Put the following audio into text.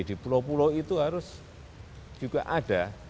di pulau pulau itu harus juga ada